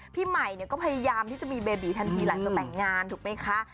พี่ใหม่ก็พยายามที่จะมีเบบีทันทีหลังจากแต่งงานถูกไหมคะ